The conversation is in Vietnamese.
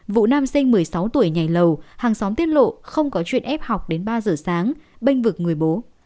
vụ nam sinh một mươi sáu tuổi nhảy lầu hàng xóm tiết lộ không có chuyện ép học đến ba giờ sáng bênh vực người bố